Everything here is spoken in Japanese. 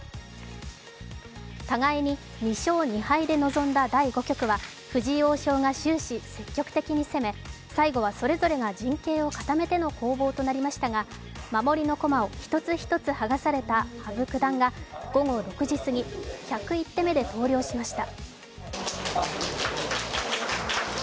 互いに２勝２敗で臨んだ第５局は藤井王将が終始積極的に攻め、最後はそれぞれ陣形を固めての攻防となりましたが、守りの駒を１つ１つはがされた羽生善治九段が午後６時過ぎ、１０１手目で投了しました。